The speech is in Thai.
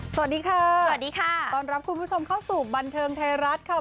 สวัสดีค่ะสวัสดีค่ะต้อนรับคุณผู้ชมเข้าสู่บันเทิงไทยรัฐค่ะ